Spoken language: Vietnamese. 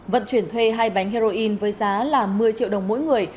vận chuyển thuê hai bánh heroin với giá là một mươi triệu đồng mỗi người